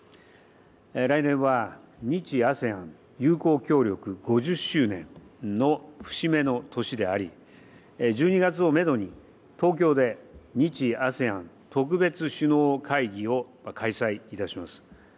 来年は日ＡＳＥＡＮ友好協力５０周年の節目の年であり、１２月をメドに、東京で日ＡＳＥＡＮ特別首脳会議を開催いたします。